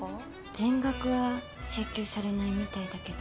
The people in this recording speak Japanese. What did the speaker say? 全額は請求されないみたいだけど。